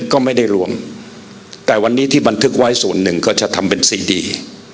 ก็ไม่ได้รวมแต่วันนี้ที่บันทึกไว้ส่วนหนึ่งก็จะทำเป็นซีดี